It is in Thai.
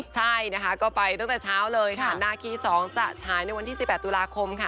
ใช่นะคะก็ไปตั้งแต่เช้าเลยค่ะนาคี๒จะฉายในวันที่๑๘ตุลาคมค่ะ